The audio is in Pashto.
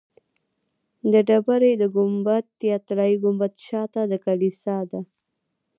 د ډبرې د ګنبد یا طلایي ګنبدې شاته د کلیسا ده.